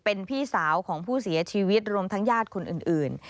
เป็นพี่สาวของผู้เสียชีวิตรวมทั้งญาติคนอื่น